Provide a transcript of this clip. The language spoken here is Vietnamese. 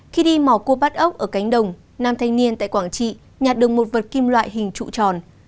khi đi mò cua bắt ốc ở cánh đồng nam thanh niên tại quảng trị nhạt đường một vật kim loại hình trụ tròn